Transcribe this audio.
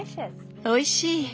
おいしい！